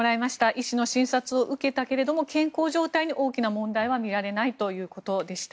医者の診察を受けたけれど健康状態に大きな問題は見られないということでした。